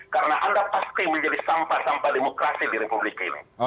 karena anda pasti menjadi sampah sampah demokrasi di republik ini